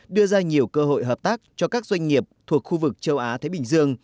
đưa ra nhiều cơ hội hợp tác cho các doanh nghiệp thuộc khu vực châu á thái bình dương